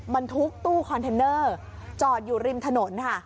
บรรทุกตู้คอนเทนเนอร์จอดอยู่ริมถนนค่ะ